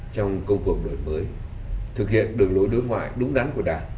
trong công cuộc đổi mới thực hiện đường lối đối ngoại đúng đắn của đảng